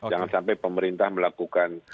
jangan sampai pemerintah melakukan